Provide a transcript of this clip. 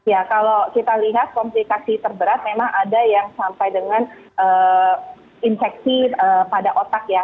ya kalau kita lihat komplikasi terberat memang ada yang sampai dengan infeksi pada otak ya